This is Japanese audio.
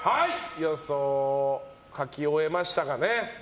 予想を書き終えましたかね。